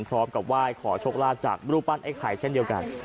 พร้อมกับไหว้ขอโชคลาภจากรูปปั้นไอ้ไข่เช่นเดียวกัน